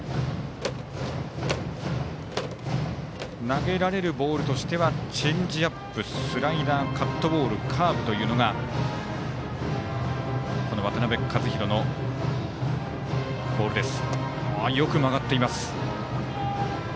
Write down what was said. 投げられるボールとしてはチェンジアップスライダー、カットボールカーブというのがこの渡辺和大のボールです。